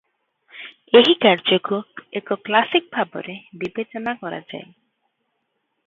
ଏହି କାର୍ଯ୍ୟକୁ ଏକ କ୍ଲାସିକ ଭାବରେ ବିବେଚନା କରାଯାଏ ।